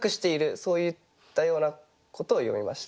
そういったようなことを詠みました。